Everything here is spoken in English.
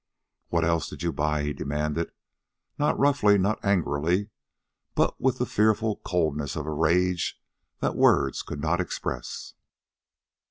"What else did you buy?" he demanded not roughly, not angrily, but with the fearful coldness of a rage that words could not express.